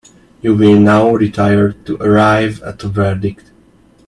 You will now retire to arrive at a verdict.